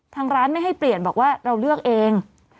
ทางร้านไม่ให้เปลี่ยนบอกว่าเราเลือกเอง